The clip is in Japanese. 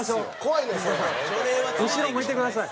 後ろ向いてください。